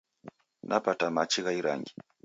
Napata machi gha irangi.